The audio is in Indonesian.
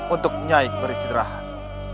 untuk menyaik beristirahat